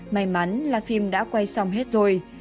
may mắn là phim đã quay xong hết rồi